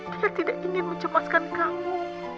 kita tidak ingin mencemaskan kamu